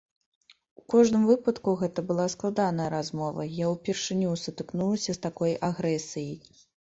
У кожным выпадку, гэта была складаная размова, я ўпершыню сутыкнулася з такой агрэсіяй.